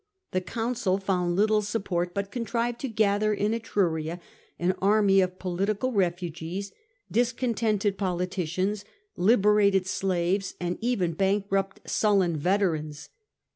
The consul found little support, but contrived to gather in Etruria an army of political refugees, discontented politicians, liberated slaves, and even bankrupt Sullan veterans.